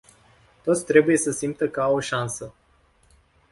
Toți trebuie să simtă că au o șansă.